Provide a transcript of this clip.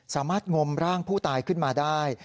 สามารถงมร่างผู้ตายขึ้นมาได้